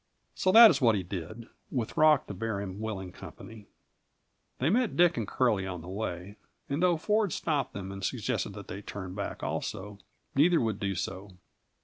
So that is what he did, with Rock to bear him willing company. They met Dick and Curly on the way, and though Ford stopped them and suggested that they turn back also, neither would do so.